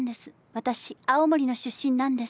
私青森の出身なんです。